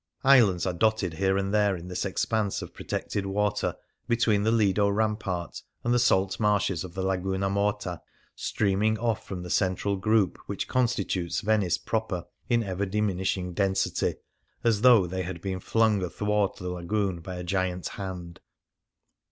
Islands are dotted here and there in this expanse of protected water between the Lido rampart and the salt marshes of the Laguna Morta, stream ing off from the central group which constitutes Venice proper in ever diminishing density, as though they had been flung athwart the lagoon by a giant hand.